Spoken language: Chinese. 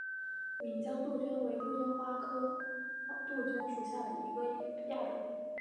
岷江杜鹃为杜鹃花科杜鹃属下的一个亚种。